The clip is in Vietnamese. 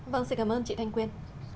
vâng xin cảm ơn chị thanh quyên